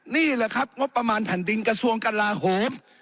นี่แหละครับงบประมาณแผ่นดินกระทรวงกลาโหม